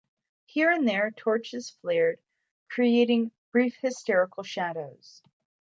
Here and there, torches flared creating brief hysterical shadows.